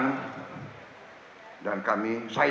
habis itu datang pak anies ke saya